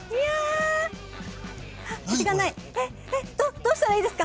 どうしたらいいですか！？